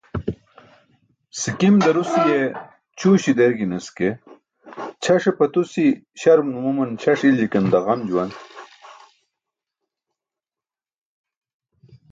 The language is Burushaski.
Sikim darusi̇ye ćʰuuśi̇ derginas ke, ćʰaṣe pʰatusi̇ śarum numuman ćʰaṣ i̇lijkan daġam juwan.